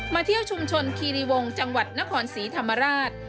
เที่ยวชุมชนคีรีวงจังหวัดนครศรีธรรมราช